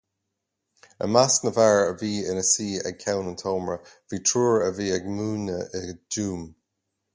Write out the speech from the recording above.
I measc na bhfear a bhí ina suí ag ceann an tseomra, bhí triúr a bhí ag múineadh i dTuaim.